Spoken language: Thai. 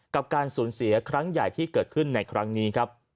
กับการสูญเสียครั้งใหญ่ที่เกิดขึ้นในครั้งนี้ครับ